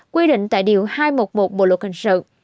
quy định tại điều hai trăm một mươi một bộ luật hình sự